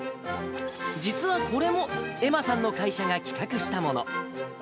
実はこれも、愛茉さんの会社が企画したもの。